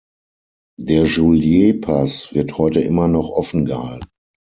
Der Julierpass wird heute immer noch offengehalten.